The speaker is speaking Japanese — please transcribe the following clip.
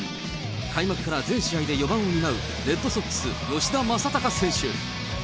開幕から全試合で４番を担うレッドソックス、吉田正尚選手。